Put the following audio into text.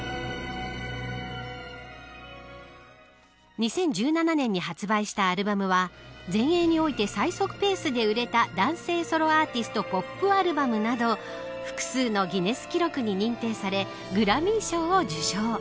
２０１７年に発売したアルバムは全英において最速ペースで売れた男性ソロアーティストポップアルバムなど複数のギネス世界記録に認定されグラミー賞を受賞。